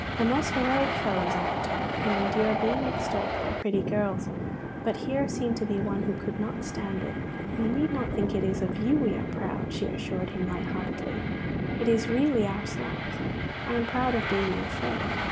The most heroic fellows, I am told, can endure being extolled by pretty girls, but here seemed to be one who could not stand it. "You need not think it is of you we are proud," she assured him light heartedly; "it is really of ourselves. I am proud of being your friend.